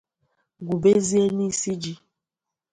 gwubezie n'isi ji